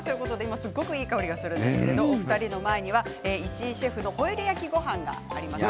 すごくいい香りがするんですけれどもお二人の前には、石井シェフのホイル焼きごはんがあります。